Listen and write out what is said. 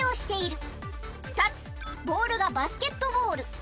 ２つボールがバスケットボール。